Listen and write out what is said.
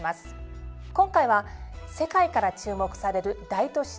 今回は世界から注目される大都市